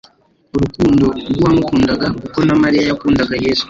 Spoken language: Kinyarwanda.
urukundo rw'uwamukundaga kuko na Mariya yakundaga Yesu.